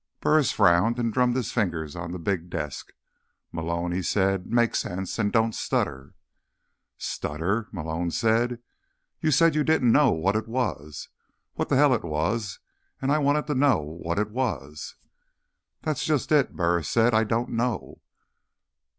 Burris frowned and drummed his fingers on his big desk. "Malone," he said, "make sense. And don't stutter." "Stutter?" Malone said. "You said you didn't know what it was. What the hell it was. And I wanted to know what it was." "That's just it," Burris said. "I don't know."